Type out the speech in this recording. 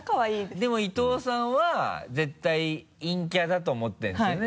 でも伊藤さんは絶対陰キャだと思ってるんですよね？